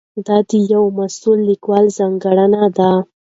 دا د یوه مسؤل لیکوال ځانګړنه ده.